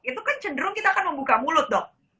itu kan cenderung kita akan membuka mulut dok